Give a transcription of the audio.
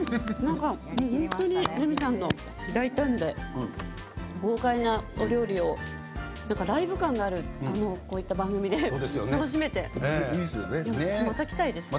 本当にレミさんの大胆で豪快なお料理をライブ感がある番組で楽しめて、また来たいです。